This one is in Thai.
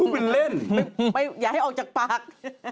วินเล่นอย่าให้ออกจากปาก